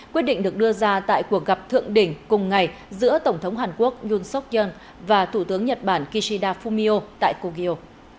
quyết định được đưa ra tại cuộc gặp thượng đỉnh cùng ngày giữa tổng thống hàn quốc yoon seok yoon và thủ tướng nhật bản kishida fumio tại kogyo